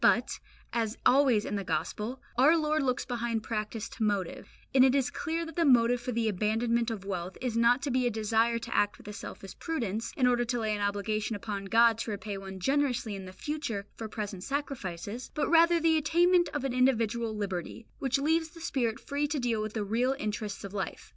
But, as always in the Gospel, our Lord looks behind practice to motive; and it is clear that the motive for the abandonment of wealth is not to be a desire to act with a selfish prudence, in order to lay an obligation upon God to repay one generously in the future for present sacrifices, but rather the attainment of an individual liberty, which leaves the spirit free to deal with the real interests of life.